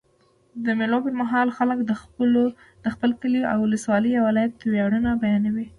د مېلو پر مهال خلک د خپل کلي، اولسوالۍ یا ولایت ویاړونه بیانوي.